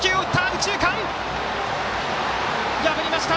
右中間、破りました！